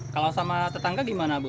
kalau sama tetangga gimana bu